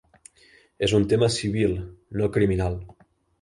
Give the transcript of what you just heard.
És un tema civil, no criminal.